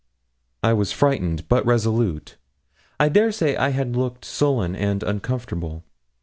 I was frightened, but resolute I dare say I looked sullen and uncomfortable.